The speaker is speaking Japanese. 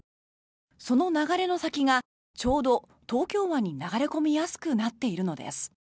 その流れの先がちょうど東京湾に流れ込みやすくなっているのです。